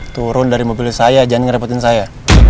turun dari mobil saya jangan ngerepotin saya